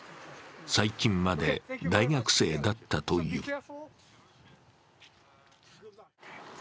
最近まで大学生だったという。